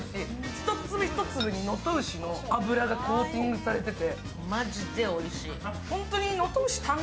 一粒一粒に能登牛の脂がコーティングされてて。